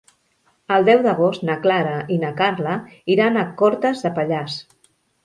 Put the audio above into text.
El deu d'agost na Clara i na Carla iran a Cortes de Pallars.